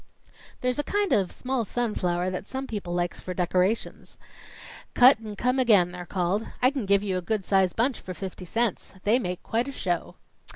"There's a kind of small sunflower that some people likes for decoration. 'Cut and come again' they're called. I can give you a good sized bunch for fifty cents. They make quite a show."